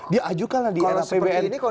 dia ajukan lah di rapbn dua ribu sembilan belas